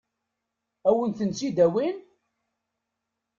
Ad wen-tent-id-awin?